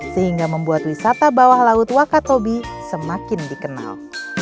sehingga membuat wisata bawah laut wakatobi semakin dikenal